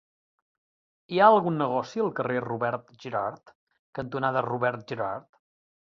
Hi ha algun negoci al carrer Robert Gerhard cantonada Robert Gerhard?